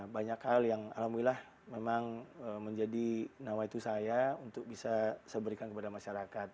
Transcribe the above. banyak hal yang alhamdulillah memang menjadi nawaitu saya untuk bisa saya berikan kepada masyarakat